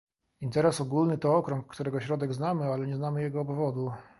"Interes ogólny to okrąg, którego środek znamy, ale nie znamy jego obwodu"